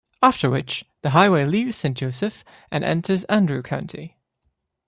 After which, the highway leaves Saint Joseph and enters Andrew County.